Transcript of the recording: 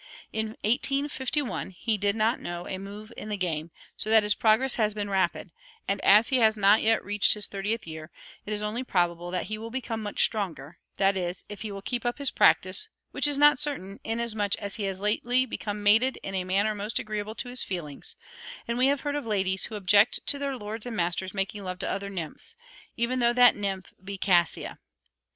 In 1851, he did not know a move in the game, so that his progress has been rapid; and as he has not yet reached his thirtieth year, it is only probable that he will become much stronger; that is, if he will keep up his practice, which is not certain, inasmuch as he has lately become "mated" in a manner most agreeable to his feelings, and we have heard of ladies who object to their lords and masters making love to other nymphs even though that nymph be Caïssa.